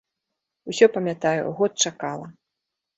Усё памятаю, год чакала.